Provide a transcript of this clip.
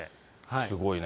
すごいね。